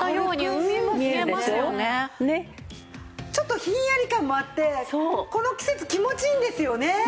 ちょっとひんやり感もあってこの季節気持ちいいんですよね。